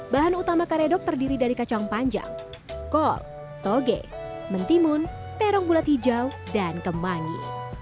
bahan utama karedok terdiri dari kacang panjang kol toge mentimun terong bulat hijau dan kemangi